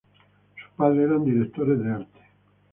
Sus padres eran directores de arte.